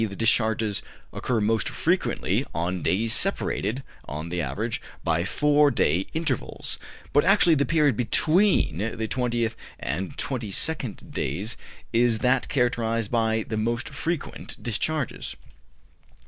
the discharges occur most frequently on days separated, on the average, by four day intervals; but actually the period between the 20th and 22d days is that characterized by the most frequent discharges.